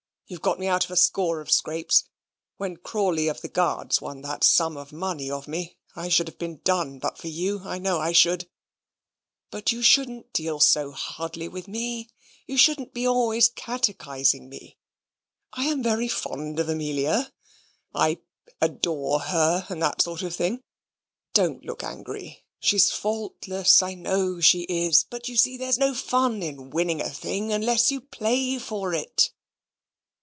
You've got me out of a score of scrapes. When Crawley of the Guards won that sum of money of me I should have been done but for you: I know I should. But you shouldn't deal so hardly with me; you shouldn't be always catechising me. I am very fond of Amelia; I adore her, and that sort of thing. Don't look angry. She's faultless; I know she is. But you see there's no fun in winning a thing unless you play for it.